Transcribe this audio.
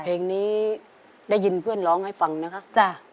เพลงนี้ได้ยินเพื่อนร้องให้ฟังนะคะจ้ะ